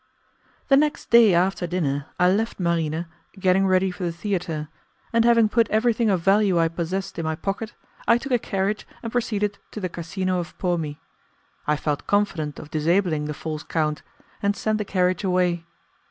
The next day after dinner I left Marina getting ready for the theatre, and having put everything of value I possessed in my pocket, I took a carriage and proceeded to the Casino of Pomi. I felt confident of disabling the false count, and sent the carriage away.